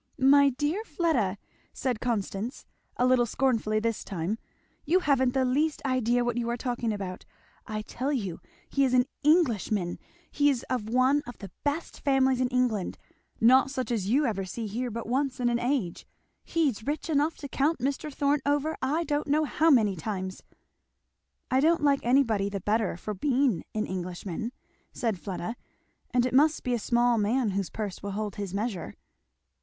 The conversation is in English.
"My dear Fleda!" said Constance, a little scornfully this time, "you haven't the least idea what you are talking about! I tell you he is an Englishman he's of one of the best families in England, not such as you ever see here but once in an age, he's rich enough to count Mr. Thorn over I don't know how many times." "I don't like anybody the better for being an Englishman," said Fleda; "and it must be a small man whose purse will hold his measure."